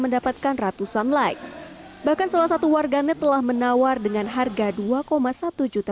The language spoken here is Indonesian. mendapatkan ratusan like bahkan salah satu warganet telah menawar dengan harga dua satu juta